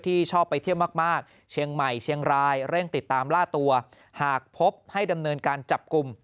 ชอบไปเที่ยวมากเชียงใหม่เชียงรายเร่งติดตามล่าตัวหากพบให้ดำเนินการจับกลุ่ม